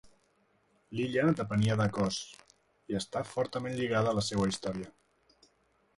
L'illa depenia de Kos, i està fortament lligada a la seua història.